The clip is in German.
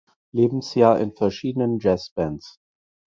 Lebensjahr in verschiedenen Jazzbands.